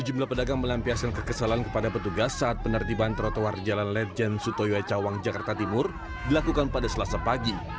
sejumlah pedagang melampiaskan kekesalan kepada petugas saat penertiban trotoar jalan lejen sutoyo cawang jakarta timur dilakukan pada selasa pagi